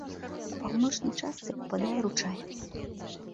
У паўночнай частцы ўпадае ручай.